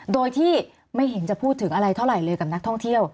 โดยที่ไม่เห็นจะพูดถึงอะไรเท่าไหร่เลยกับนักท่องเที่ยว